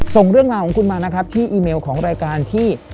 ส่งเรื่องราวของคุณมานะครับที่อีเมลของรายการที่